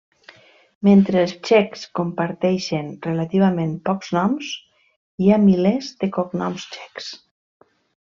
Mentre els txecs comparteixen relativament pocs noms, hi ha milers de cognoms txecs.